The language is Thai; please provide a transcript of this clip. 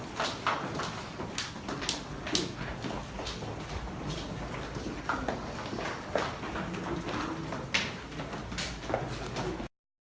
โปรดติดตามตอนต่อไป